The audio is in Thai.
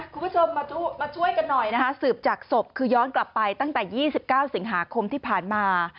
คุณผู้ชมมาช่วยกันหน่อยนะคะสืบจากศพคือย้อนกลับไปตั้งแต่๒๙สิงหาคมที่ผ่านมา